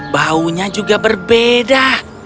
baunya juga berbeda